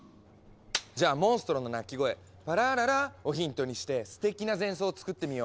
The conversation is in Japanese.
じゃあモンストロの鳴き声「パラララ」をヒントにしてすてきな前奏を作ってみよう。